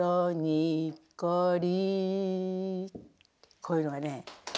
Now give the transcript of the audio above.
こういうのがね。